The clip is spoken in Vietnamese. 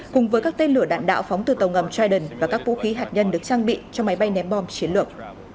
cùng với các tên lửa đạn đạo phóng từ tàu ngầm triden và các vũ khí hạt nhân được trang bị cho máy bay ném bom chiến lược